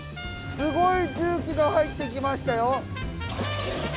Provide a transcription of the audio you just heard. すごい重機が入ってきましたよ。